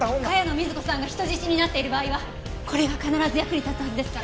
茅野瑞子さんが人質になっている場合はこれが必ず役に立つはずですから。